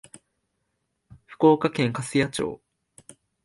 福岡県粕屋町